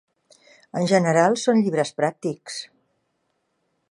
En general són llibres pràctics.